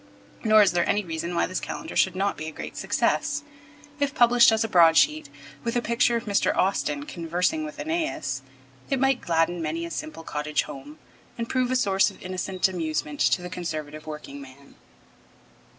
Nor is there any reason why this Calendar should not be a great success. If published as a broad sheet, with a picture of Mr. Austin 'conversing with AEneas,' it might gladden many a simple cottage home and prove a source of innocent amusement to the Conservative working man.